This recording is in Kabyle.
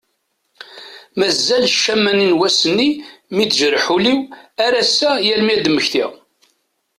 Mazal ccama n wass-nni mi tejreḥ ul-iw ar ass-a yal mi ad d-mmektiɣ.